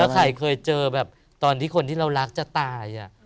ใครเคยเจอแบบตอนที่คนที่เรารักจะตาย